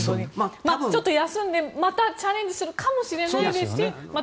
ちょっと休んでまたチャレンジするかもしれないですしまた